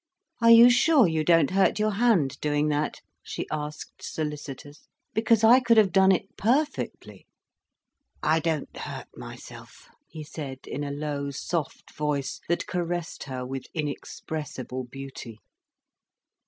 "Are you sure you don't hurt your hand, doing that?" she asked, solicitous. "Because I could have done it perfectly." "I don't hurt myself," he said in a low, soft voice, that caressed her with inexpressible beauty.